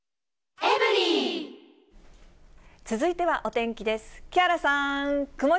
続いてはお天気です。